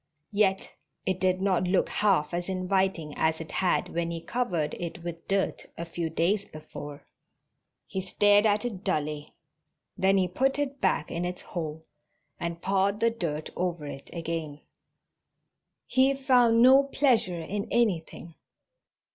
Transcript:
Yet it did not look half as inviting as it had when he covered it with dirt a few days before. He stared at it dully. Then he put it back in its hole and pawed the dirt over it again. He found no pleasure in anything.